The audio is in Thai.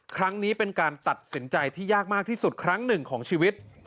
ครั้งนี้เป็นการตัดสินใจที่ยากมากที่สุดครั้งหนึ่งของชีวิต